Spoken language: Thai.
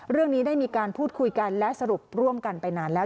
เรื่องนี้ได้มีการพูดคุยกันและสรุปร่วมกันไปนานแล้ว